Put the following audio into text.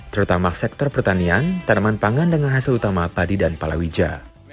terutama sektor pertanian tanaman pangan dengan hasil utama padi dan palawija